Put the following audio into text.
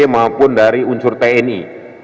maupun dari unsur tni